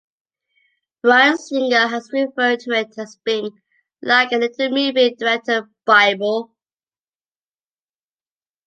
Bryan Singer has referred to it as being "like a little movie director bible".